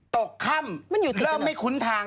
ตกค่ำเริ่มไม่คุ้นทาง